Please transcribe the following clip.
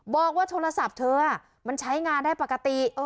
บอกว่าโทรศัพท์เธอมันใช้งานได้ปกติ